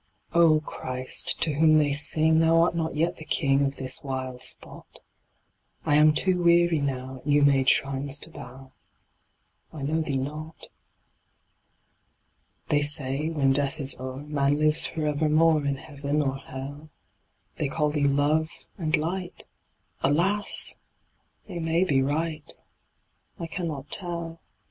Oh, Christ, to whom they sing, Thou art not yet the King Of this wild spot ; I am too weary now At new made shrines to bow ; I know Thee not. They say, when death is o'er Man lives for evermore In heaven or hell ; They call Thee Love and Light Alas ! they may be right, I cannot tell.